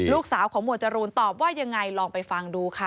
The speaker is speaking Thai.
ลูกสาวของหมวดจรูนตอบว่ายังไงลองไปฟังดูค่ะ